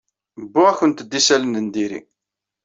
Uwyeɣ-awent-d isalan n diri.